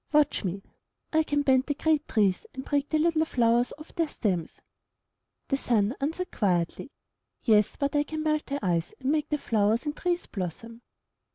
Watch me! I can bend the great trees and break the little flowers off their stems/' The Sun answered, quietly, '*Yes, but I can melt the ice and make the flowers and trees blossom."